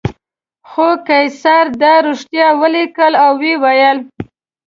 خو قیصر دا رښتیا ولیکل او وویل.